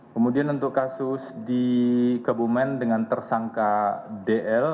kemudian untuk kasus di kebumen dengan tersangka dl